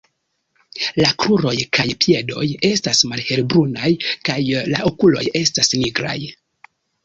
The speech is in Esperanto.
La kruroj kaj piedoj estas malhelbrunaj kaj la okuloj estas nigraj.